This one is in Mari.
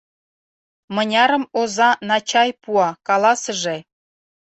Мынярым оза «на чай» пуа, каласыже.